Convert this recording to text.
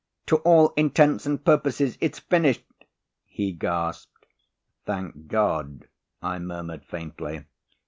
"To all intents and purposes, it's finished," he gasped. "Thank God," I murmured faintly.